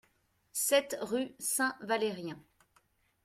sept rue Saint-Valérien